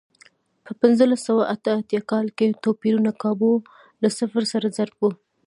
په پنځلس سوه اته اتیا کال کې توپیرونه کابو له صفر سره ضرب و.